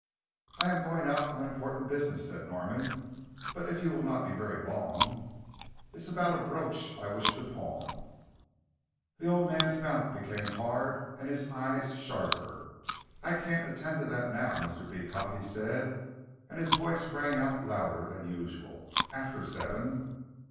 "I am going out on important business," said Norman, "but if you will not be very long " "It's about a brooch I wish to pawn." The old man's mouth became hard and his eyes sharper. "I can't attend to that now, Mr. Beecot," he said, and his voice rang out louder than usual. "After seven."